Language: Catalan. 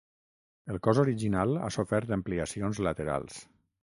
El cos original ha sofert ampliacions laterals.